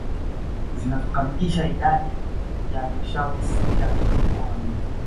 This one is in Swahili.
Zinazokamilisha idadi ya halmashauri sita za mkoa wa Geita